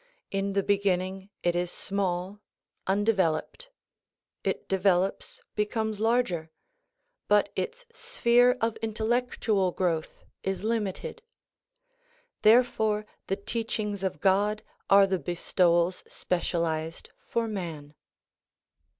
In the beginning it is small, undeveloped ; it develops, becomes larger ; but its sphere of intellectual growth is limited. Therefore the teach ings of God are the bestowals specialized for man.